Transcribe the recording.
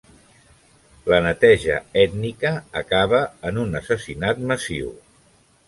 La neteja ètnica acaba en un assassinat massiu.